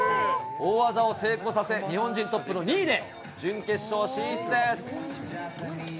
大技を成功させ、日本人トップの２位で準決勝進出です。